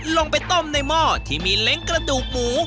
ลงไปต้มในหม้อที่มีเล้งกระดูกหมู